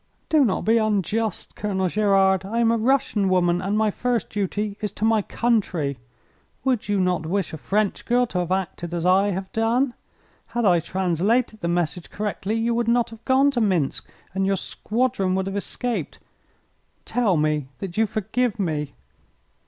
"Do not be unjust, Colonel Gerard. I am a Russian woman, and my first duty is to my country. Would you not wish a French girl to have acted as I have done? Had I translated the message correctly you would not have gone to Minsk and your squadron would have escaped. Tell me that you forgive me!"